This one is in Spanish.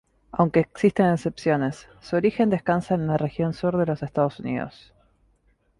Aunque existen excepciones, su origen descansa en la región sur de los Estados Unidos.